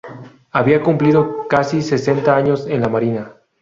Había cumplido casi sesenta años en la marina.